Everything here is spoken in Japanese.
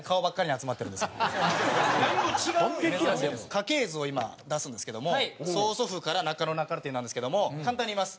家系図を今出すんですけども曽祖父から中野なかるてぃんなんですけども簡単に言います。